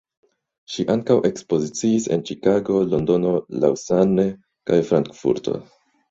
Ŝi ankaŭ ekspoziciis en Ĉikago, Londono, Lausanne, kaj Frankfurto.